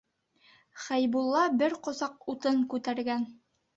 Хәйбулла бер ҡосаҡ утын күтәргән.